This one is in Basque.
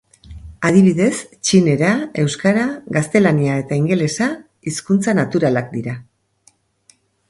Adibidez, txinera, euskara, gaztelania eta ingelesa hizkuntza naturalak dira.